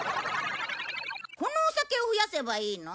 このお酒を増やせばいいの？